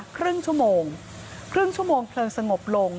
ครึ่งชั่วโมงครึ่งชั่วโมงเพลิงสงบลง